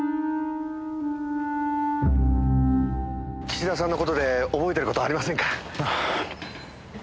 岸田さんの事で覚えてる事ありませんか？